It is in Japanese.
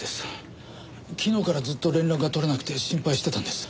昨日からずっと連絡が取れなくて心配してたんです。